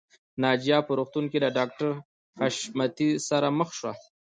ناجیه په روغتون کې له ډاکټر حشمتي سره مخ شوه